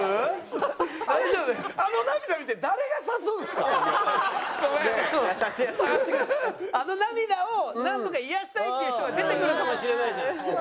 あの涙をなんとか癒やしたいっていう人が出てくるかもしれないじゃないですか。